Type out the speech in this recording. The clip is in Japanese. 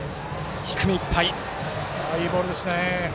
いいボールですね。